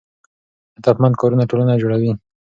هدفمند کارونه ټولنه جوړوي.